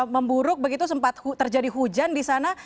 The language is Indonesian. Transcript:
memburuk begitu sempat terjadi hujan di sana